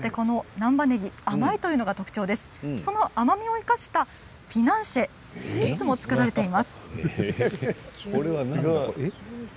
難波ねぎ、甘いのが特徴でその甘みを生かしたフィナンシェ、スイーツも作られています。